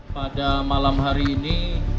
pada malam hari ini